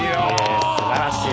すばらしい。